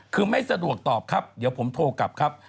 คือไม่สะดวกตอบครับเดี๋ยวผมโทรกลับครับ